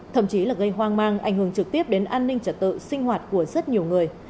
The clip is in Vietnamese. thậm chí là gây hoang mang ảnh hưởng trực tiếp đến an ninh trật tự sinh hoạt của rất nhiều người